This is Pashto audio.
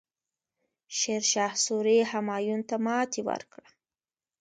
شیرشاه سوري همایون ته ماتې ورکړه.